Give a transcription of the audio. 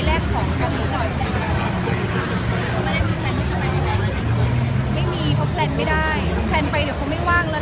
แลกขอขอมูลใชาของกำลังกอง